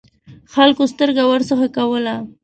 خلکو سترګه ورڅخه کوله.